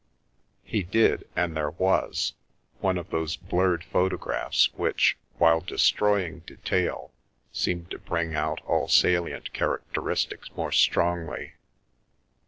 He did, and there was — one of those blurred photo graphs which, while destroying detail, seem to bring out all salient characteristics more strongly.